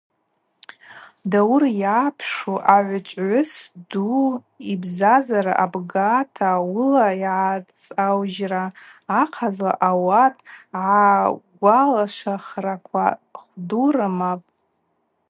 Дауыр йапшу агӏвычӏвгӏвыс ду йбзазара абгата уыла йгӏацӏаужьра ахъазла ауат агӏагвалашвахраква хвду рымапӏ.